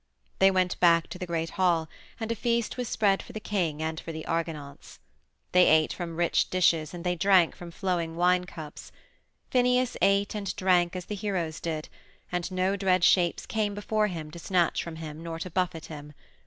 They went back to the great hall, and a feast was spread for the king and for the Argonauts. They ate from rich dishes and they drank from flowing wine cups. Phineus ate and drank as the heroes did, and no dread shapes came before him to snatch from him nor to buffet him.